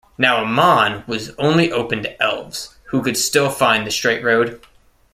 Now Aman was only open to Elves, who could still find the Straight Road.